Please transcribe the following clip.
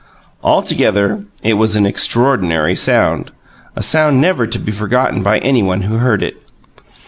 Altogether it was an extraordinary sound, a sound never to be forgotten by any one who heard it.